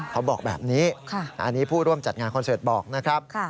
เขาบอกแบบนี้อันนี้ผู้ร่วมจัดงานคอนเสิร์ตบอกนะครับ